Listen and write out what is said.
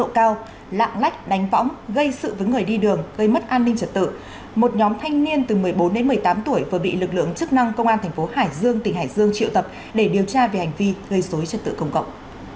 hội đồng xét xử cao lạng lách đánh võng gây sự với người đi đường gây mất an ninh trật tự một nhóm thanh niên từ một mươi bốn đến một mươi tám tuổi vừa bị lực lượng chức năng công an thành phố hải dương tỉnh hải dương triệu tập để điều tra về hành vi gây xối trật tự công cộng